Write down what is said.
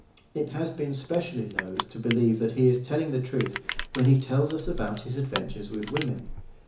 It has been specially loth to believe that he is telling the truth when he tells us about his adventures with women.